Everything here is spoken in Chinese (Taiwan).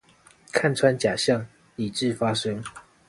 看穿假象、理智發聲